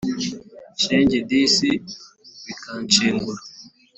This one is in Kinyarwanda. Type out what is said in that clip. Shenge disi bikanshengura